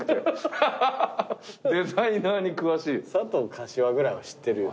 可士和ぐらいは知ってるよ。